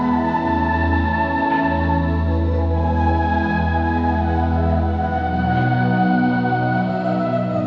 kau yang memaham pengasih dan penyayang